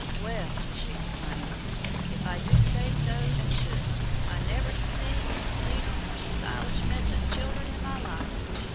"Well," she exclaimed, "if I do say so as shouldn't, I never see a cleaner, more stylish mess o' childern in my life!